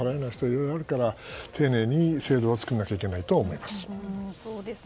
いろいろあるから丁寧に制度は作らなきゃいけないと思います。